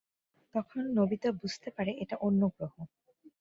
তখন নোবিতা বুঝতে পারে এটা অন্যগ্রহ।